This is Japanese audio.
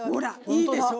いいでしょ！